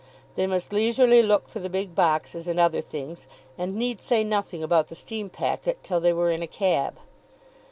They must leisurely look for the big boxes and other things, and need say nothing about the steam packet till they were in a cab.